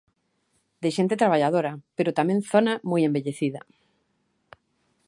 De xente traballadora, pero tamén zona moi envellecida.